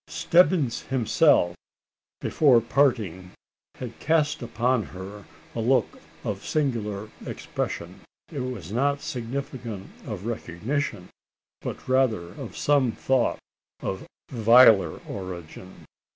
Stebbins himself, before parting, had cast upon her a look of singular expression. It was not significant of recognition; but rather of some thought of viler origin.